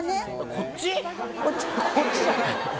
こっちじゃないの？